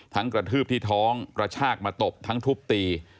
กระทืบที่ท้องกระชากมาตบทั้งทุบตี